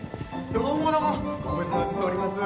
どうもどうもご無沙汰しております。